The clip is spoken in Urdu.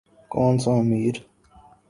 کون سا امیر۔